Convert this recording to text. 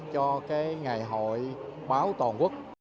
cho cái ngày hội báo toàn quốc